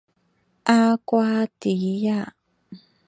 阿瓜迪亚。